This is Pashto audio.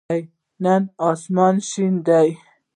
نن آسمان شین دی.